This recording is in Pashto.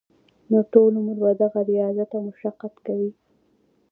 نو ټول عمر به دغه رياضت او مشقت کوي -